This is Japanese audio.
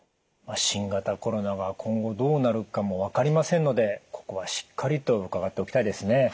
新型コロナが今後どうなるかも分かりませんのでここはしっかりと伺っておきたいですね。